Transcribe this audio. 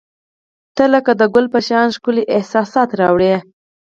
• ته لکه د ګل په شان ښکلي احساسات راوړي.